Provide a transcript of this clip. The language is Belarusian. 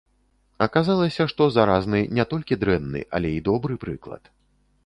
Аказалася, што заразны не толькі дрэнны, але і добры прыклад.